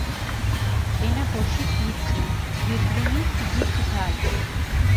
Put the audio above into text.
ენა ბოშიქ იწყინჷ, გირგვინი ქიგიდგჷ ძალო.